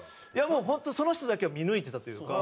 もう本当その人だけは見抜いてたというか。